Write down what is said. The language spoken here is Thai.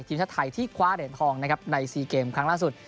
ทีมชาติไทยที่คว้าเดนทองในสี่เกมครั้งล่าสุด